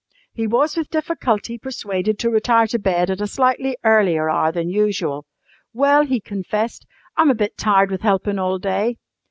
He was with difficulty persuaded to retire to bed at a slightly earlier hour than usual. "Well," he confessed, "I'm a bit tired with helpin' all day."